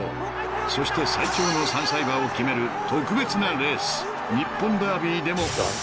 ［そして最強の３歳馬を決める特別なレース日本ダービーでも］